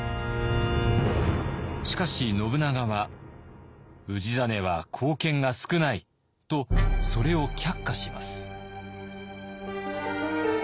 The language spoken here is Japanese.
しかし信長は「氏真は貢献が少ない」とそれを却下します。